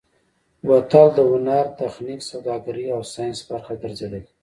بوتل د هنر، تخنیک، سوداګرۍ او ساینس برخه ګرځېدلی.